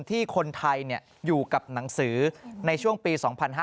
ที่คนไทยอยู่กับหนังสือในช่วงปี๒๕๕๙